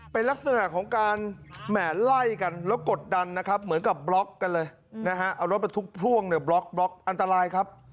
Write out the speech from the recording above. เป็นลักษณะของการแหม่ไล่กันแล้วกดดันนะครับ